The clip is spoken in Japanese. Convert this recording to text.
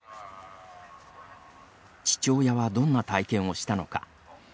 父親はどんな体験をしたのか。